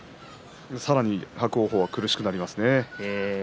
さらに伯桜鵬は苦しくなりますね。